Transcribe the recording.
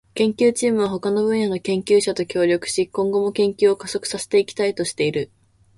研究チームは他の分野の研究者と協力し、今後も研究を加速させていきたいとしている。